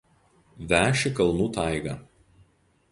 Veši kalnų taiga.